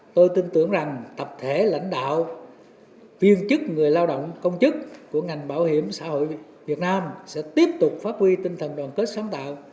tôi tin tưởng rằng tập thể lãnh đạo viên chức người lao động công chức của ngành bảo hiểm xã hội việt nam sẽ tiếp tục phát huy tinh thần đoàn kết sáng tạo